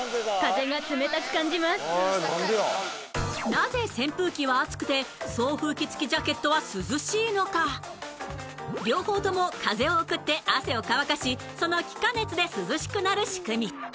なぜ扇風機は暑くて送風機付きジャケットは涼しいのか両方とも風を送って汗を乾かしその気化熱で涼しくなる仕組み